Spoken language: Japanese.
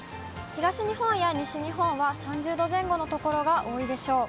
東日本や西日本は３０度前後の所が多いでしょう。